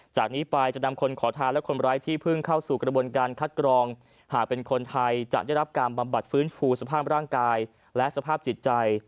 จากนี้ไปจะนำคนขอทานและคนร้ายที่เพิ่งเข้าสู่กระบวนการคัดกรองหากเป็นคนไทยจะได้รับการบำบัดฟื้นฟูสภาพร่างกายและสภาพจิตใจ